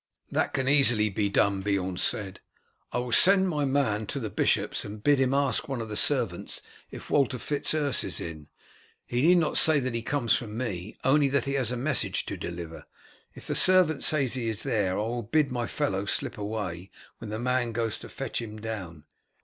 "That can easily be done," Beorn said. "I will send my man to the bishop's and bid him ask one of the servants if Walter Fitz Urse is in. He need not say that he comes from me, only that he has a message to deliver. If the servant says he is there I will bid my fellow slip away when the man goes to fetch him down.